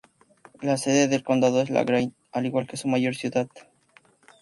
La sede del condado es La Grange, al igual que su mayor ciudad.